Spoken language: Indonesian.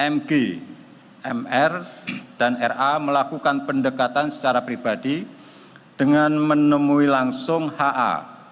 mg mr dan ra melakukan pendekatan secara pribadi dengan menemui langsung ha